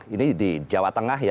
ini di jawa tengah ya